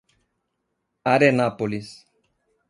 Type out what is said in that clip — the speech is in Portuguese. Arenápolis